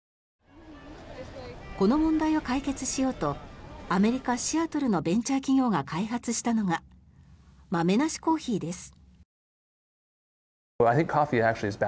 この問題を解決しようとアメリカ・シアトルのベンチャー企業が開発したのが豆なしコーヒーです。